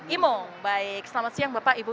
imo baik selamat siang bapak ibu